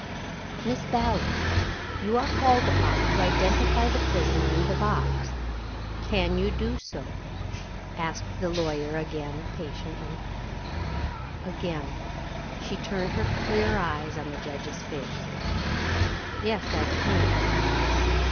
"Miss Ballard, you are called upon to identify the prisoner in the box. Can you do so?" asked the lawyer again, patiently. Again she turned her clear eyes on the judge's face, "Yes, I can."